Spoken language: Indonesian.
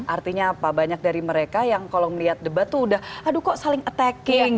artinya apa banyak dari mereka yang kalau melihat debat tuh udah aduh kok saling attacking